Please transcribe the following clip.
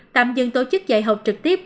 tạm dừng tổ chức dạy học trực tiếp